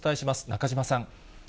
中島さん。